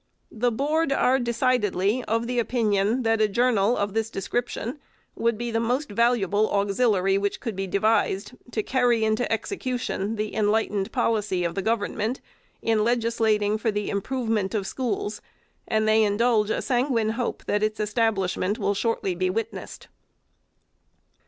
The Board are decidedly of opinion, that a journal of this description would be the most valuable auxiliary which could be devised, to carry into execution the enlightened policy of the government, in legislating for the improvement of the schools, and they indulge a sanguine hope that its establishment will shortly be wit nessed.